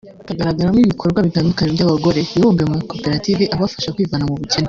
kagaragaramo ibikorwa bitandukanye by’abagore bibumbiye mu makoperative abafasha kwivana mu bukene